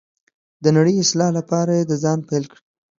د نړۍ اصلاح لپاره یې د ځانه پیل کړئ.